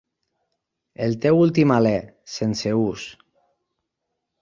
"El teu últim alè", "sense ús".